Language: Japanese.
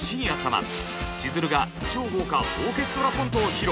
しずるが超豪華オーケストラコントを披露。